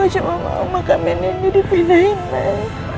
aku cuma mau makam nindi dipindahin mas